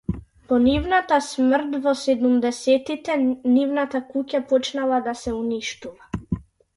По нивната смрт во седумдесетите, нивната куќа почнала да се уништува.